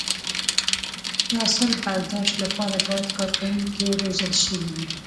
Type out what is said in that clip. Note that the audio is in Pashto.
د حاصل برداشت لپاره باید کارکوونکي روزل شوي وي.